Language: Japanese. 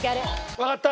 わかった！